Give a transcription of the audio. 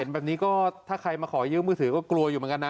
แบบนี้ก็ถ้าใครมาขอยืมมือถือก็กลัวอยู่เหมือนกันนะ